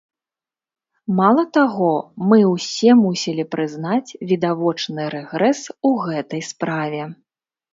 Мала таго, мы ўсе мусілі прызнаць відавочны рэгрэс у гэтай справе.